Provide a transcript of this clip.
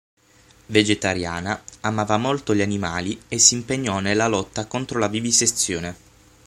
Vegetariana, amava molto gli animali, e si impegnò nella lotta contro la vivisezione.